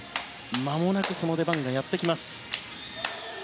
まもなくその出番がやってきます。